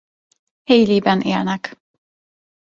Hayle-ben élnek.